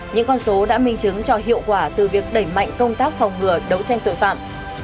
những con số đã minh chứng cho hiệu quả từ việc đẩy mạnh công tác phòng ngừa đấu tranh tội phạm